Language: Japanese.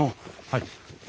はい。